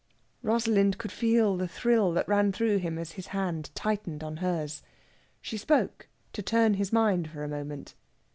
Rosalind could feel the thrill that ran through him as his hand tightened on hers. She spoke, to turn his mind for a moment.